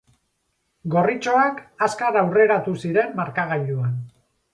Gorritxoak azkar aurreratu ziren markagailuan.